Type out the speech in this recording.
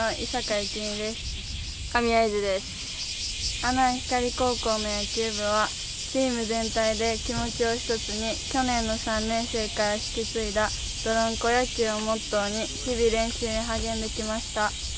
阿南光高校の野球部はチーム全体で気持ちを１つに去年の３年生から引き継いだどろんこ野球をモットーに日々練習に励んできました。